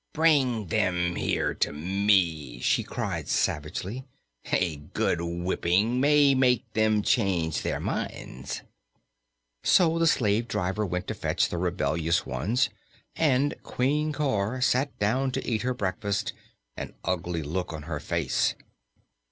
"Bring them here to me!" she cried savagely. "A good whipping may make them change their minds." So the slave driver went to fetch the rebellious ones and Queen Cor sat down to eat her breakfast, an ugly look on her face.